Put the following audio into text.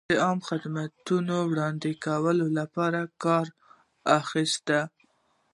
د عامه خدمتونو د وړاندې کولو لپاره کار واخیست.